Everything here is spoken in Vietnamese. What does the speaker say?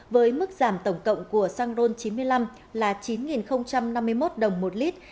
với mức giảm tổng cộng của xăng ron chín mươi năm là chín năm mươi một đồng một lít